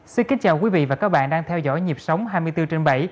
xin kính chào quý vị và các bạn đang theo dõi nhịp sống hai mươi bốn trên bảy